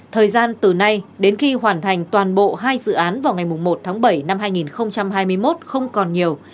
thời gian từ nay đến khi hoàn thành toàn bộ hai dự án vào ngày một tháng bảy năm hai nghìn hai mươi một không còn nhiều